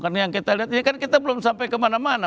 karena yang kita lihat ini kan kita belum sampai kemana mana